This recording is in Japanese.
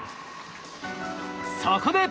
そこで！